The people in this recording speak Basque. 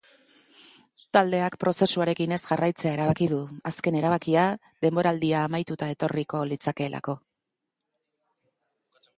Taldeak prozesuarekin ez jarraitzea erabaki du, azken erabakia denboraldia amaituta etorriko litzatekeelako.